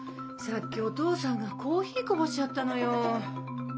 さっきお父さんがコーヒーこぼしちゃったのよ。